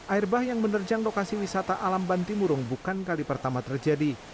air bah yang menerjang lokasi wisata alam bantimurung bukan kali pertama terjadi